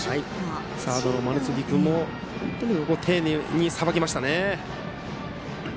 サードの丸次君も丁寧にさばきましたね。